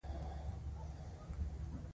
ما پوښتنه وکړه: ته څنګه ېې، روغتیا دي ښه ده؟